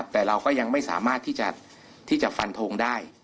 แต่เราก็ยังไม่สามารถที่จะฟันทงได้